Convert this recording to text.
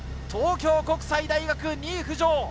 東京国際大学、２位浮上。